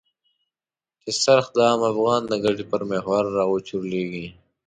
چې څرخ د عام افغان د ګټې پر محور را وچورليږي.